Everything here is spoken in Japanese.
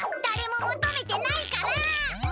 だれももとめてないから！